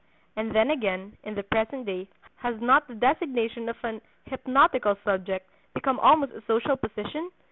And then, again, in the present day, has not the designation of an 'hypnotical subject' become almost a social position?